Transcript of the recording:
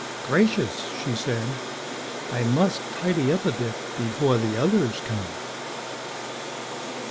"Gracious," she said, "I must tidy up a bit before the others come."